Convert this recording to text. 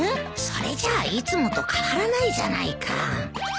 それじゃいつもと変わらないじゃないか。